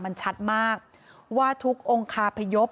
มันชัดมากว่าทุกองค์คาพยพ